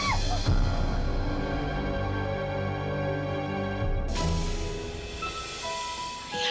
dia bisa menerbagi sesuatu